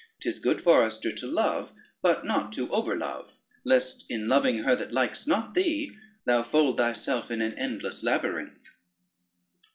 'Tis good, forester, to love, but not to overlove, lest in loving her that likes not thee, thou fold thyself in an endless labyrinth."